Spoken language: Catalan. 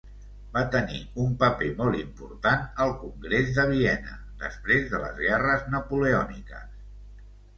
Va tenir un paper molt important al Congrés de Viena després de les guerres napoleòniques.